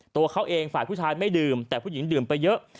ตัวเขาเองฝ่ายผู้ชายไม่ดื่มแต่ผู้หญิงดื่มไปเยอะ